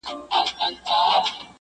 ښه پر بدوښه هغه دي قاسم یاره,